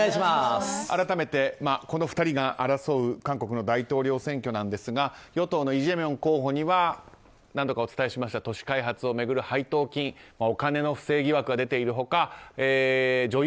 改めてこの２人が争う韓国の大統領選挙なんですが与党のイ・ジェミョン候補には何度かお伝えしました都市開発を巡る配当金お金の不正疑惑が出ている他女優